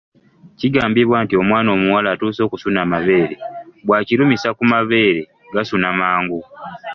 Kigambibwa nti omwana omuwala atuuse okusuna amabeere bw'akirumisa ku mabeere gasuna mangu.